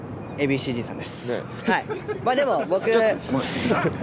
まぁでも僕。